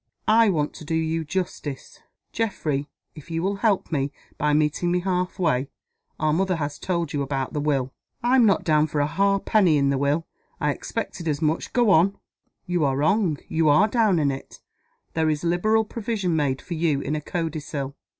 "I want to do you justice, Geoffrey if you will help me, by meeting me half way. Our mother has told you about the will?" "I'm not down for a half penny in the will. I expected as much. Go on." "You are wrong you are down in it. There is liberal provision made for you in a codicil.